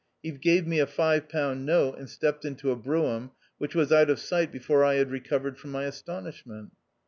He gave me a five pound note and stepped into a brougham, which was out of sight before I had re covered from my astonishment.